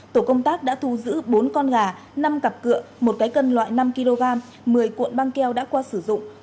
tổ công tác đã thu giữ bốn con gà năm cặp cựa một cái cân loại năm kg một mươi cuộn băng keo đã qua sử dụng